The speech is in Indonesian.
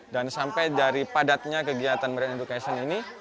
dan sampai dari padatnya kegiatan marine education ini